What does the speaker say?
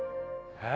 はい。